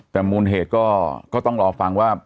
แต่มูลเหตุก็ต้องรอฟังว่า